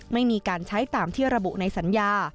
ไม่มีการใช้ตามที่ระบุในสัญญา